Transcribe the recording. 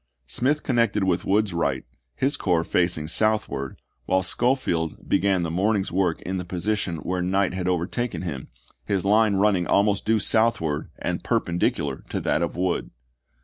Smith connected with Wood's right, his corps facing southward, while Schofield began the morning's work in the position where night had overtaken him, his line running almost due southward and perpendicular to that of Wood.